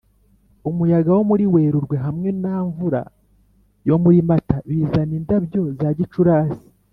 umuyaga wo muri werurwe hamwe na mvura yo muri mata bizana indabyo za gicurasi